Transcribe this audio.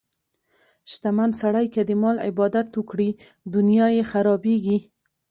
شتمن سړی که د مال عبادت وکړي، دنیا یې خرابېږي.